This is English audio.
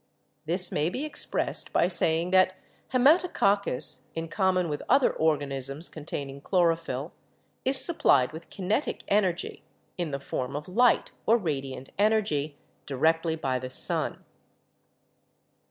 This may be expressed by saying that Haematococcus, in common with other organisms containing chlorophyll, is supplied with kinetic energy (in the form of light or radiant energy) directly by the sun.